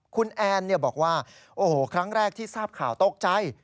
คุณแอนบอกว่าโอ้โหครั้งแรกที่ทราบข่าวตกใจ